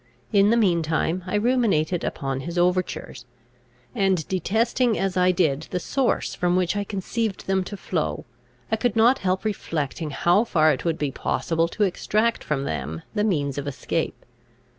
In the mean time I ruminated upon his overtures; and, detesting as I did the source from which I conceived them to flow, I could not help reflecting how far it would be possible to extract from them the means of escape.